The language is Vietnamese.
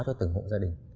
cho từng hộ gia đình